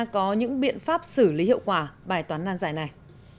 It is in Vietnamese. có những biện pháp xử lý hiệu quả bài toán nan giải này